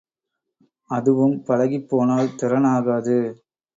அதுவும், பழகிப் போனால் திறனாகாது.